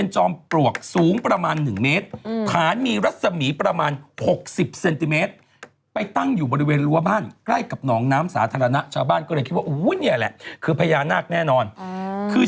ฉันว่าบางทีตัวตัดจริตเยอะฉันเน้ยเหนื่อย